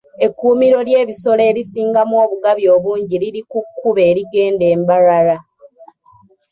Ekkuumiro ly'ebisolo erisingamu obugabi obungi liri ku kkubo eridda e Mbarara.